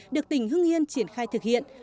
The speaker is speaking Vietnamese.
được tỉnh hưng yên triển khai thực hiện